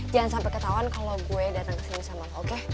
jangan sampai ketahuan kalau gue datang kesini sama lo oke